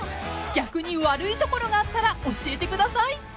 ［逆に悪い所があったら教えてください］